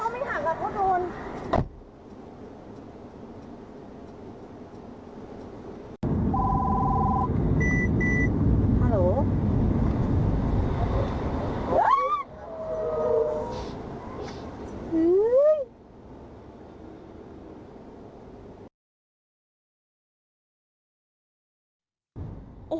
ไม่ทางอ่ะเพราะก็อ่าว